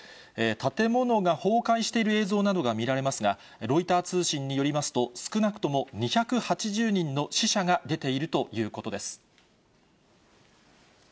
建物が崩壊している映像などが見られますが、ロイター通信によりますと、少なくとも２８０人の死者が出ているということです。